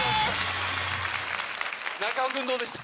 中尾君どうでした？